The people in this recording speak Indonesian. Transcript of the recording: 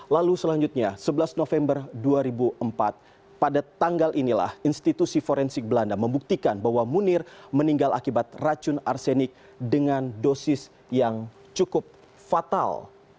lalu selanjutnya sebelas november dua ribu empat pada tanggal inilah institusi forensik belanda membuktikan bahwa munir meninggal akibat racun arsenik dengan dosis yang cukup fatal